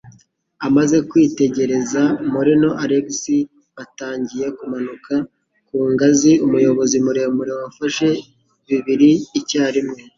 Amaze kwitegereza, Morino na Alex batangiye kumanuka ku ngazi, umuyobozi muremure wafashe bibiri icyarimwe.